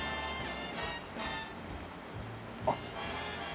あっ。